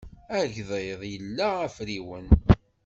Agḍiḍ ila afriwen.